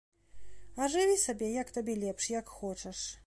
А жыві сабе, як табе лепш, як хочаш.